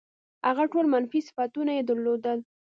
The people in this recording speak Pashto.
هغه ټول منفي صفتونه یې درلودل.